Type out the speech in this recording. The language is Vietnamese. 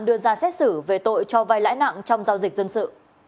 đưa ra xét xử về tội cho vai lãi nặng trong giao dịch dân sự